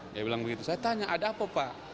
dia bilang begitu saya tanya ada apa pak